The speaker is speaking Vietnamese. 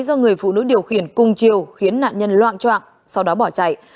do người phụ nữ điều khiển cùng chiều khiến nạn nhân loạn trọng sau đó bỏ chạy